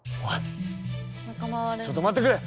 ちょっと待ってくれ。